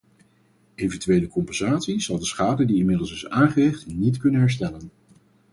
Eventuele compensatie zal de schade die inmiddels is aangericht niet kunnen herstellen.